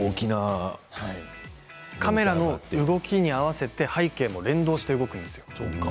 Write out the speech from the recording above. カメラの動きに合わせて背景も連動して動くんですよ。